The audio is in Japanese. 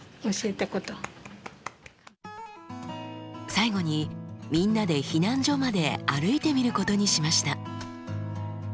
最後にみんなで避難所まで歩いてみることにしました。